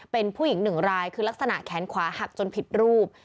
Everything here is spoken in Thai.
เป็นผู้หญิงหนึ่งรายคือลักษณะแขนขวาหักจนผิดรูป